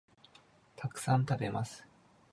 たくさん、食べます